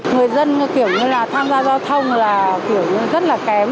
người dân kiểu như là tham gia giao thông là kiểu nhưng rất là kém